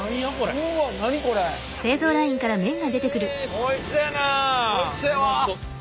おいしそうやわ！